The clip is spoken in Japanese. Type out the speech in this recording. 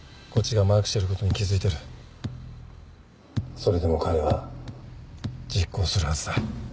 それでも彼は実行するはずだ。